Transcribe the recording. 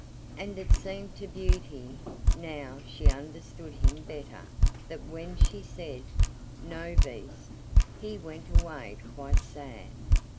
And it seemed to Beauty, now she understood him better, that when she said, "No, Beast," he went away quite sad.